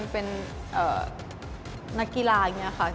เป็นนักกีฬาแบบนี้นะคะ